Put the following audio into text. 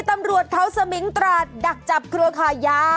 ตำรวจเค้าสมิงตราดดักจับครัวฆะยา